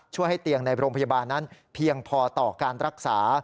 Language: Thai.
ให้เตียงในโรงพยาบาลนั้นเพียงพอต่อการรักษา